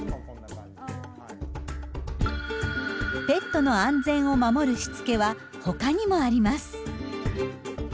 ペットの安全を守るしつけはほかにもあります。